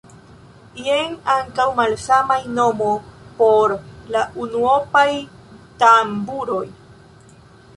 Jen ankaŭ malsamaj nomo por la unuopaj tamburoj.